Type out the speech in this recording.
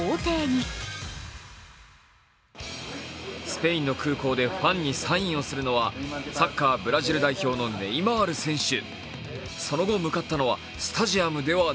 スペインの空港でファンにサインをするのはサッカーブラジル代表のネイマール選手。